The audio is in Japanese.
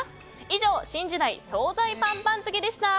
以上、新時代総菜パン番付でした。